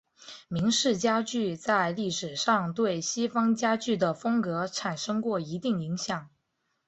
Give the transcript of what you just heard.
明式家具在历史上对西方家具的风格产生过一定影响。